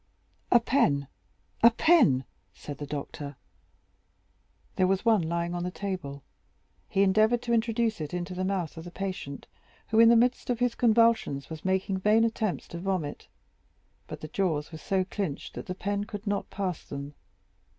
"A pen, a pen!" said the doctor. There was one lying on the table; he endeavored to introduce it into the mouth of the patient, who, in the midst of his convulsions, was making vain attempts to vomit; but the jaws were so clenched that the pen could not pass them.